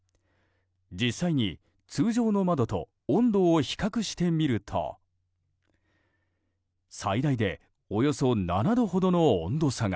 実際に、通常の窓と温度を比較してみると最大でおよそ７度ほどの温度差が。